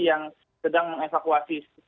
yang sedang mengevakuasi